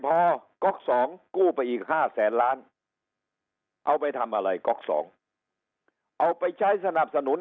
พอก็ครองกลู้ไปอีก๕๐๐ล้านเอาไปทำอะไรก็ก็เอาไปใช้สนับสนุน